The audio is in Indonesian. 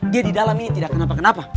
dia di dalam ini tidak kenapa kenapa